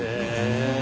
へえ。